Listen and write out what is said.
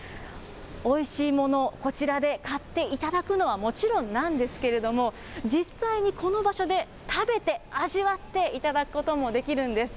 おいしいもの、こちらで買っていただくのはもちろんなんですけれども、実際にこの場所で食べて、味わっていただくこともできるんです。